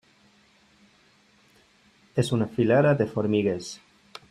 És una filera de formigues.